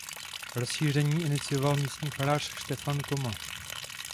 Rozšíření inicioval místní farář Štefan Koma.